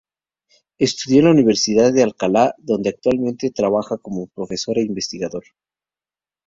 Estudió en la Universidad de Alcalá, donde actualmente trabaja como profesor e investigador.